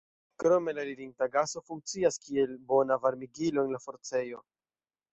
Krome la elirinta gaso funkcias kiel bona varmigilo de la forcejo.